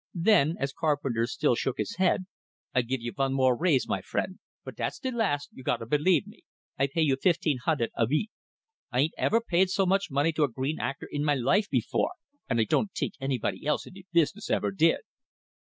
Then, as Carpenter still shook his head: "I give you vun more raise, my friend but dat's de last, you gotta believe me. I pay you fifteen hunded a veek. I aint ever paid so much money to a green actor in my life before, and I don't tink anybody else in de business ever did."